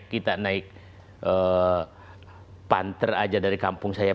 kita naik panter aja dari kampung saya